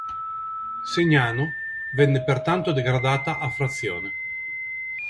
Segnano venne pertanto degradata a frazione.